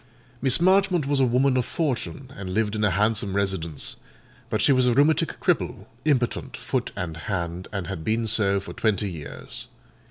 Miss Marchmont was a woman of fortune, and lived in a handsome residence; but she was a rheumatic cripple, impotent, foot and hand, and had been so for twenty years.